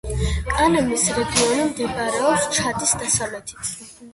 კანემის რეგიონი მდებარეობს ჩადის დასავლეთით.